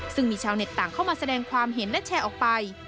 ซึ่งมีชาวเน็ตต่างเข้ามาแสดงความเห็นและแชร์ออกไป